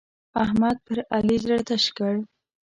احمد پر علي زړه تش کړ.